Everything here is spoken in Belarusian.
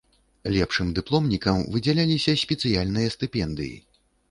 Лепшым дыпломнікам выдзяляліся спецыяльныя стыпендыі.